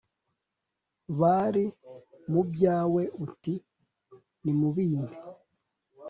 Bari mu byawe uti : Nimubimpe.